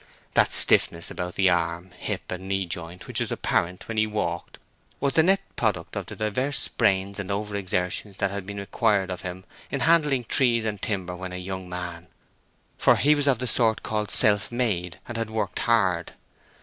That stiffness about the arm, hip, and knee joint which was apparent when he walked was the net product of the divers sprains and over exertions that had been required of him in handling trees and timber when a young man, for he was of the sort called self made, and had worked hard.